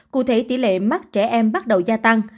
cụ thể tỷ lệ mắc trẻ em bắt đầu gia tăng